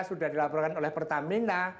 sudah dilaporkan oleh pertamina